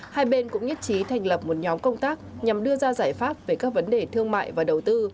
hai bên cũng nhất trí thành lập một nhóm công tác nhằm đưa ra giải pháp về các vấn đề thương mại và đầu tư